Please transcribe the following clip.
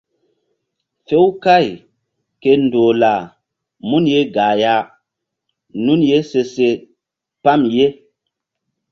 Few káy ke ndoh lah mun ye gah ya nun ye se se pam ye.